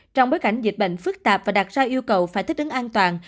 trong bối cảnh dịch bệnh phức tạp và đặt ra yêu cầu phải thích ứng an toàn